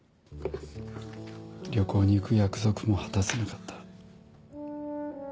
旅行に行く約束も果たせなかった。